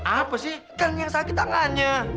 apa sih kang yang sakit tangannya